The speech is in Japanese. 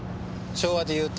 昭和でいうと？